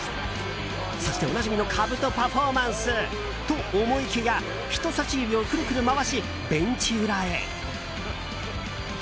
そして、おなじみのかぶとパフォーマンス！と思いきや、人さし指をくるくる回し、ベンチ裏へ。